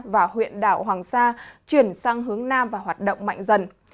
và huyện đảo hoàng sa chuyển sang hướng nam và hoạt động mạnh dần